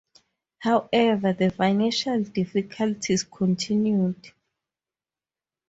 However, the financial difficulties continued.